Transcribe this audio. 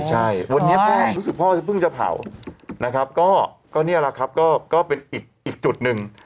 ใช่วันนี้พ่อรู้สึกพ่อจะเพิ่งจะเผานะครับก็นี่แหละครับก็เป็นอีกจุดหนึ่ง